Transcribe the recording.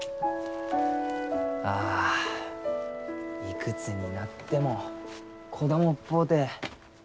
あいくつになっても子供っぽうて。